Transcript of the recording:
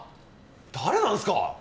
誰なんすか！？